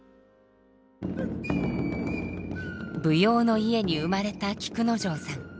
舞踊の家に生まれた菊之丞さん。